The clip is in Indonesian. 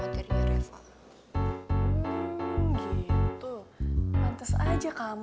terima kasih b